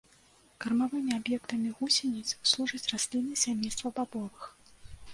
Кармавымі аб'ектамі гусеніц служаць расліны сямейства бабовых.